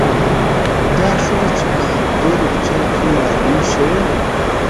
بيا ښځه چې په همدې کلچر کې رالوى شوې،